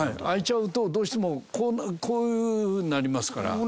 空いちゃうとどうしてもこういうふうになりますから。